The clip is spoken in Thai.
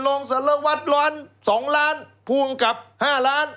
ลงสารวัฒน์รวรรณ๒ล้านภูมิกับ๕ล้าน